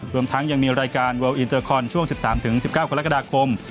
รวมทั้งยังมีรายการเวิลอินเตอร์คอนช่วง๑๓๑๙กรกฎาคม